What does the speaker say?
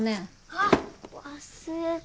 あ忘れた。